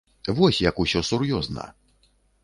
Вось як усё сур'ёзна!